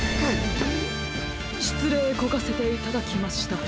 しつれいこかせていただきました。